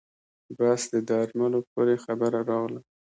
بس د درملو پورې خبره راغله.